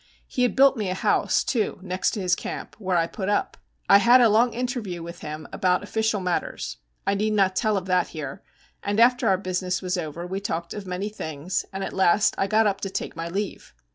He had built me a house, too, next to his camp, where I put up. I had a long interview with him about official matters I need not tell of that here and after our business was over we talked of many things, and at last I got up to take my leave.